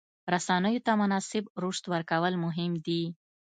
رسنیو ته مناسب رشد ورکول مهم دي.